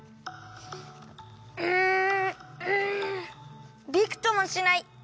うんんビクともしない！